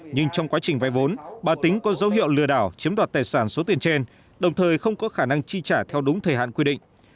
nhưng trong quá trình vay vốn bà tính có dấu hiệu lừa đảo chiếm đoạt tài sản số tiền trên đồng thời không có khả năng chi trả theo đúng thời hạn quy định